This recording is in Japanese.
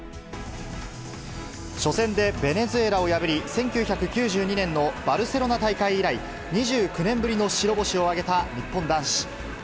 初戦でベネズエラを破り、１９９２年のバルセロナ大会以来、２９年ぶりの白星を挙げた日本男子。